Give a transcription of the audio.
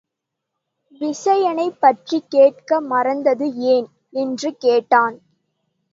விசயனைப் பற்றிக் கேட்க மறந்தது ஏன்? என்று கேட்டான்.